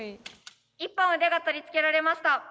１本腕が取り付けられました。